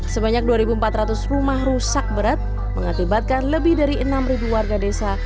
sebanyak dua empat ratus rumah rusak berat mengakibatkan lebih dari enam warga desa